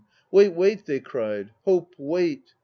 "Wait, wait," they cried, "Hope, wait!"